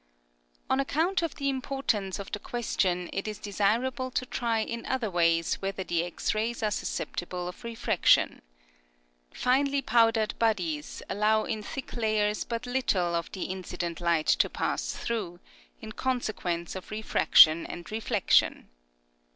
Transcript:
On account of the importance of the question it is desirable to try in other ways whether the X rays are susceptible of re fraction. Finely powdered bodies allow in thick layers but little of the incident light to pass through, in consequence of re fraction and reflection.